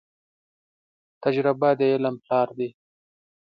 تجربه د علم پلار دي.